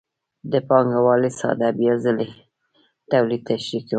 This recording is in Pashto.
د پانګوالۍ ساده بیا ځلي تولید تشریح کوو